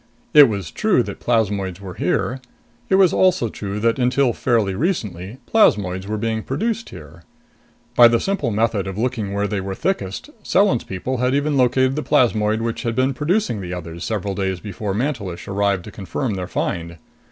It was true that plasmoids were here. It was also true that until fairly recently plasmoids were being produced here. By the simple method of looking where they were thickest, Selan's people even had located the plasmoid which had been producing the others, several days before Mantelish arrived to confirm their find.